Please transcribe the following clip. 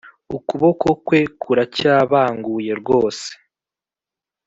ukuboko kwe kuracyabanguye rwose